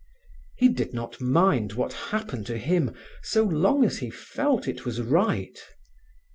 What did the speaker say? He did not mind what happened to him, so long as he felt it was right.